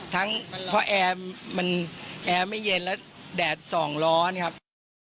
ทั้งเพราะแอร์ไม่เย็นแล้วแดดส่องร้อนครับ